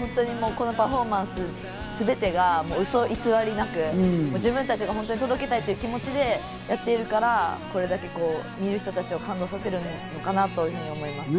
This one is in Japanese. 本当にこのパフォーマンスすべてがウソ偽りなく、自分たちが本当に届けたいという気持ちでやってるから、それだけ見る人たちを感動させるのかなと思います。